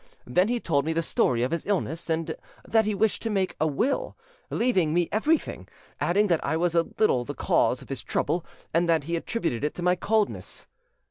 Then he told me the story of his illness, and that he wished to make a will leaving me everything, adding that I was a little the cause of his trouble, and that he attributed it to my coldness.